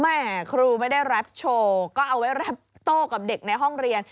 แม่ครูไม่ได้รับโชว์ก็เอาไว้แรปโต้กับเด็กในห้องเรียน